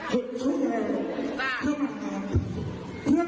เผื่อเทียงตัวมันแต่ท้องค่าตัดสิน